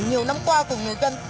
nhiều năm qua của người dân